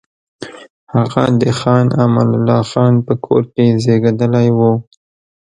هغه د خان امان الله خان په کور کې زېږېدلی وو.